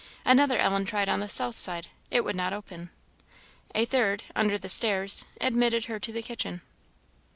Another Ellen tried on the south side; it would not open. A third, under the stairs, admitted her to the kitchen.